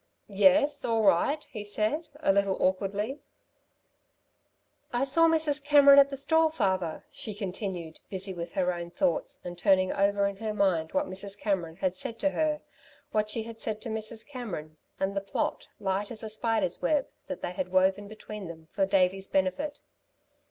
"Yes, all right," he said, a little awkwardly. "I saw Mrs. Cameron at the store, father," she continued, busy with her own thoughts, and turning over in her mind what Mrs. Cameron had said to her, what she had said to Mrs. Cameron, and the plot, light as a spider's web, that they had woven between them for Davey's benefit.